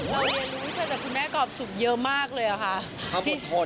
เราเรียนรู้ว่าเธอจะคือแม่กรอบสุขเยอะมากเลยค่ะ